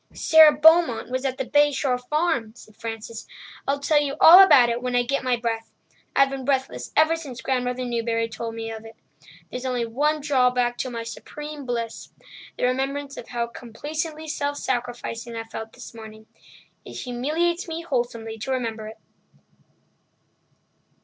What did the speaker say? "Sara Beaumont was at the Bay Shore Farm," said Frances. "I'll tell you all about it when I get my breath—I've been breathless ever since Grandmother Newbury told me of it. There's only one drawback to my supreme bliss—the remembrance of how complacently self sacrificing I felt this morning. It humiliates me wholesomely to remember it!"